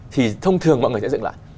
thì thông thường mọi người sẽ dựng lại